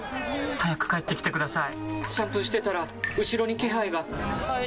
早く帰ってきてください！